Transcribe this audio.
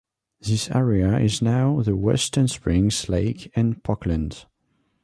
This area is now the Western Springs Lake and parkland.